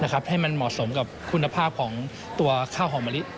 ให้มันเหมาะสมกับคุณภาพของตัวข้าวหอมมะลิ